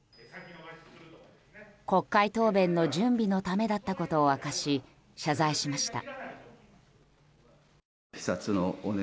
国会答弁の準備のためだったことを明かし謝罪しました。